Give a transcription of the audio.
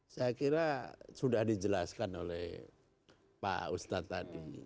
saya kira sudah dijelaskan oleh pak ustadz tadi